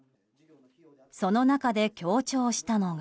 その中で強調したのが。